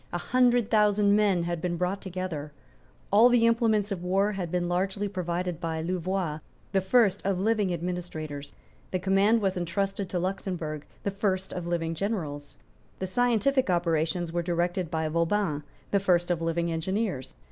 A hundred thousand men had been brought together. All the implements of war had been largely provided by Louvois, the first of living administrators. The command was entrusted to Luxemburg, the first of living generals. The scientific operations were directed by Vauban, the first of living engineers.